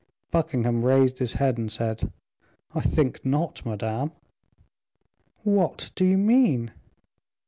Buckingham raised his head and said, "I think not, madame." "What do you mean?"